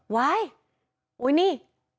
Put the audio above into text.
ไว้อุ๊ยนี่